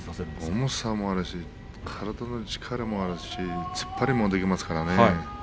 重さもあるし体の力もあるし、突っ張りもありますからね。